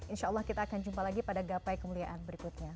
insya allah kita akan jumpa lagi pada gapai kemuliaan berikutnya